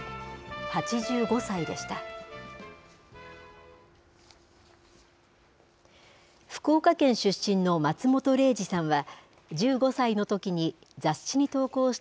８５歳でした。